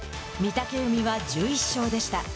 御嶽海は１１勝でした。